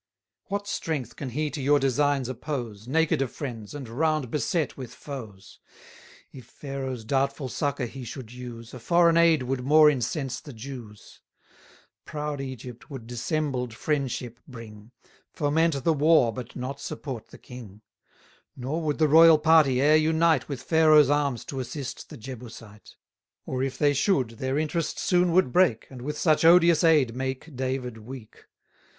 What strength can he to your designs oppose, Naked of friends, and round beset with foes? 280 If Pharaoh's doubtful succour he should use, A foreign aid would more incense the Jews: Proud Egypt would dissembled friendship bring; Foment the war, but not support the king: Nor would the royal party e'er unite With Pharaoh's arms to assist the Jebusite; Or if they should, their interest soon would break, And with such odious aid make David weak.